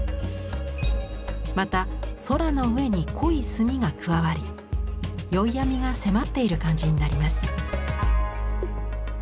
また空の上に濃い墨が加わり宵闇が迫っている感じになります。